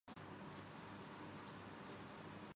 جس کے نتیجے میں مذکورہ صورتِ معاملہ پیدا ہو جاتی ہے